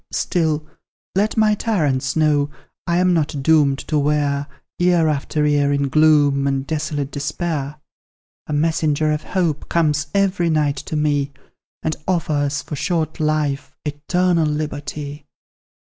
"Still, let my tyrants know, I am not doomed to wear Year after year in gloom, and desolate despair; A messenger of Hope comes every night to me, And offers for short life, eternal liberty.